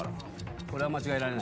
これは間違えられない。